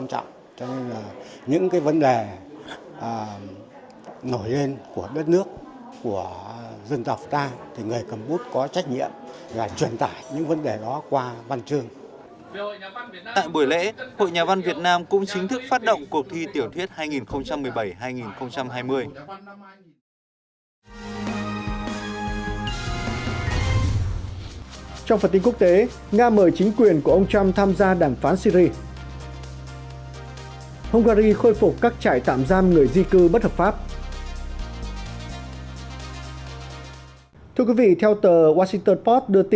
trao quyết định kết nạp cho hai mươi chín hội viên mới và phát động cuộc thi tiểu thuyết hai nghìn một mươi bảy hai nghìn hai mươi